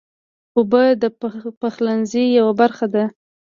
اوبه د پخلنځي یوه برخه ده.